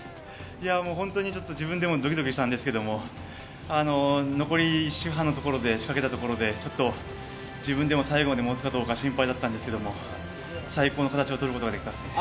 本当に自分でもドキドキしたんですけど、残り１周半のところで仕掛けたところで、自分でも最後まで持つかどうか心配だったんですけど、最高の形を取ることができました。